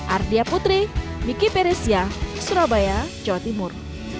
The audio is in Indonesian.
ardia putri miki peresia surabaya jawa timur